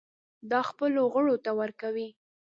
دا خپلو غړو ته ورکوي.